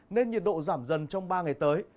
nên nhiệt độ giảm dân trong ba ngày tới